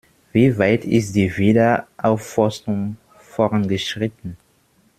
Wie weit ist die Wiederaufforstung vorangeschritten?